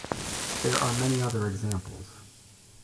There are many other examples.